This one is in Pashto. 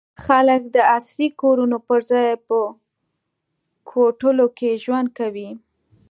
خلک د عصري کورونو پر ځای په کوډلو کې ژوند کوي.